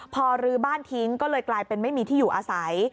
พอรื้อบ้านทิ้งก็เลยกลายเป็นไม่มีที่อยู่อาศัย